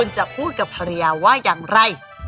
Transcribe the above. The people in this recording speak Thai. จะพูดกับภรรยาว่าอย่างไร